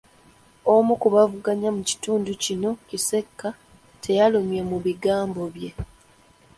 Omu ku bavuganya mu kitundu kino, Kisekka, teyalumye mu bigambo bye.